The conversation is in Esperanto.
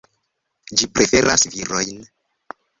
Ĝi preferas virojn.